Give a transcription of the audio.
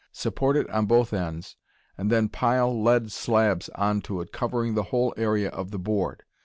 Support it on both ends and then pile lead slabs onto it, covering the whole area of the board.